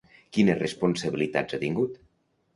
Quines responsabilitats ha tingut?